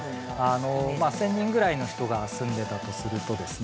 あのまあ１０００人ぐらいの人が住んでたとするとですね